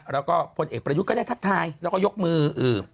แล้วก็พลเอกประยุทธ์ก็ได้ทักทายแล้วก็ยกมือ